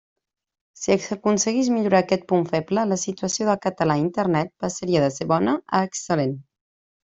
Si s'aconseguís millorar aquest punt feble, la situació del català a Internet passaria de ser bona a excel·lent.